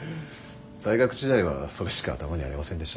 大学時代はそれしか頭にありませんでした。